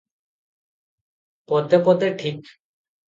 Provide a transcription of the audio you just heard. ପଦେ ପଦେ ଠିକ୍ ।